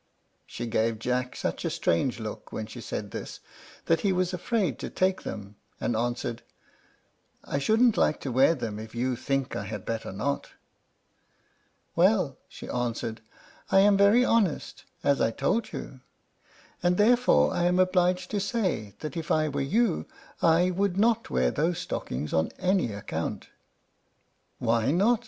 She gave Jack such a strange look when she said this, that he was afraid to take them, and answered, "I shouldn't like to wear them if you think I had better not." "Well," she answered, "I am very honest, as I told you; and therefore I am obliged to say that if I were you I would not wear those stockings on any account." "Why not?"